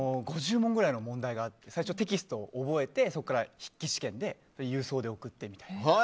５０問ぐらい問題があって最初はテキストを覚えてそこから筆記試験で郵送で送ってみたいな。